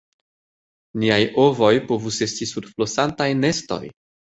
"Niaj ovoj povus esti sur flosantaj nestoj!"